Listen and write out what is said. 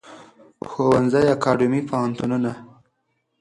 ښوونځی اکاډیمی پوهنتونونه